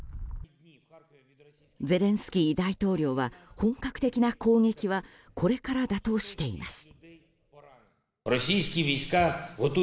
ゼレンスキー大統領は本格的な攻撃はこれからだとしています。